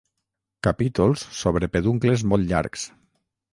Capítols sobre peduncles molt llargs.